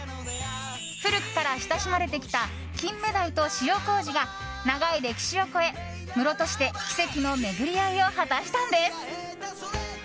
古くから親しまれてきたキンメダイと塩麹が長い歴史を越え、室戸市で奇跡の巡り合いを果たしたのです。